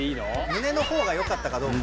胸の方がよかったかどうか。